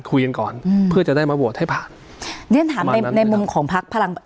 คุยกันก่อนอืมเพื่อจะได้มาโหวตให้ผ่านเรียนถามในในมุมของพักพลัง